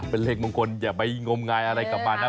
เป็นเลขมงคลอย่าไปงมงายอะไรกลับมานะ